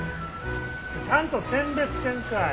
ちゃんと選別せんかい！